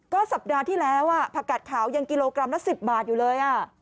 ก็สัปดาห์ที่แล้วผักกัดขาวยังกิโลกรัมละ๑๐บาทอยู่เลย